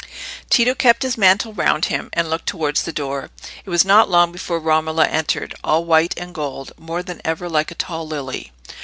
Tito kept his mantle round him, and looked towards the door. It was not long before Romola entered, all white and gold, more than ever like a tall lily.